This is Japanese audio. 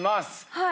はい。